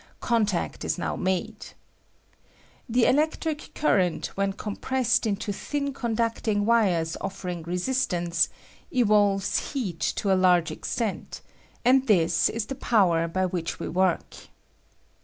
Contact is now made. The electric current, when compressed into thin conducting wires offering resistance, evolves heat to a large extent, and this is the power by which we work.